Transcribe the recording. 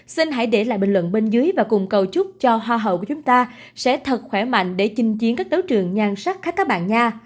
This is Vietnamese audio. xin hãy để lại bình luận bên dưới và cùng cầu chúc cho hoa hậu của chúng ta sẽ thật khỏe mạnh để chinh chiến các đấu trường nhan sắc khách các bạn nga